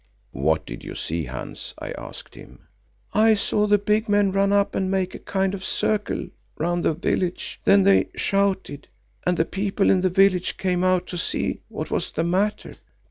"What did you see, Hans?" I asked him. "I saw the big men run up and make a kind of circle round the village. Then they shouted, and the people in the village came out to see what was the matter.